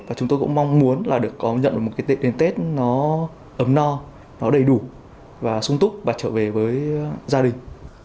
và chúng tôi cũng mong muốn là được có nhận được một cái tệ đến tết nó ấm no nó đầy đủ và sung túc và trở về với gia đình